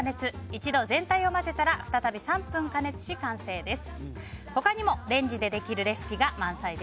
一度全体を混ぜたら再び３分加熱し、完成です。